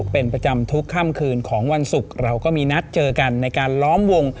เป็นประจำทุกค่ำคืนของวันศุกร์เราก็มีนัดเจอกันในการล้อมวง